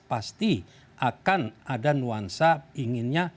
pasti akan ada nuansa inginnya